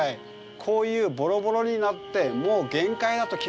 こういうボロボロになってもう限界だと木が。